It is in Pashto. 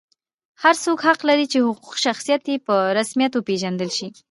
هر څوک حق لري چې حقوقي شخصیت یې په رسمیت وپېژندل شي.